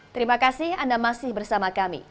terima kasih anda masih bersama kami